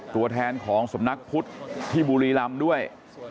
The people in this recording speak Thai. ตัวแทนของสำนักพุทธที่บุรีรำด้วย